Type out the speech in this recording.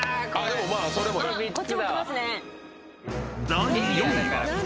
［第４位は］